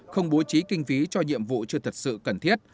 không bố trí kinh phí cho nhiệm vụ chưa thật sự cần thiết